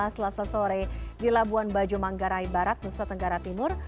selasa sore di labuan bajo manggarai barat nusa tenggara timur